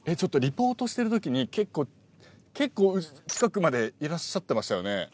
リポートしてるときに結構近くまでいらっしゃってましたよね？